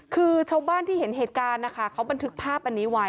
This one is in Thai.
คือชาวบ้านที่เห็นเหตุการณ์นะคะเขาบันทึกภาพอันนี้ไว้